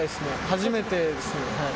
初めてです。